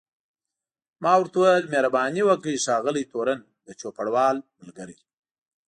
ما ورته وویل مهرباني وکړئ ښاغلی تورن، د چوپړوال ملګری.